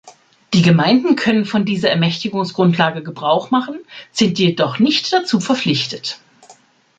Die Gemeinden können von dieser Ermächtigungsgrundlage Gebrauch machen, sind jedoch nicht dazu verpflichtet.